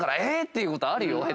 ⁉っていうことあるよ。